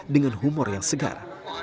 dengan humor yang segar